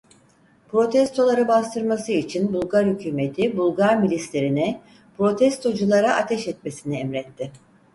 Protestoları bastırması için Bulgar hükûmeti Bulgar milislerine protestoculara ateş etmesini emretti.